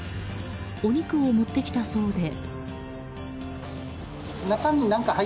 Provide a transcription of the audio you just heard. お肉を持ってきたそうで。